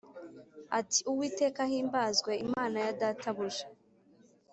Ati Uwiteka Ahimbazwe Imana Ya Databuja